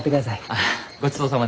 ああごちそうさまでした。